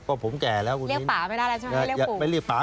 ก็ผมแก่แล้วคุณนิดนี้